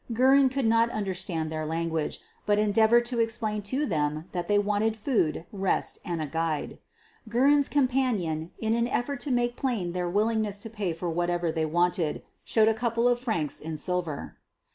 Guerin could not understand their language, but endeavored to explain to them that they wanted food, rest, and a guide. Guerin 's companion, in an effort to make plain their willingness to pay for what they wanted, showed a couple of francs in sil ver.